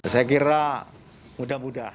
saya kira mudah mudahan